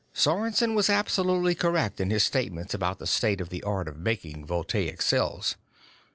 Sorensen was absolutely correct in his statements about the state of the art of making voltaic cells.